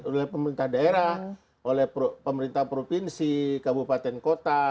oleh pemerintah daerah oleh pemerintah provinsi kabupaten kota